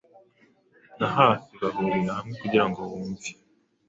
na hafi bahurira hamwe kugirango bumve